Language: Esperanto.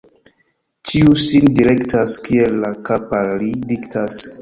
Ĉiu sin direktas, kiel la kap' al li diktas.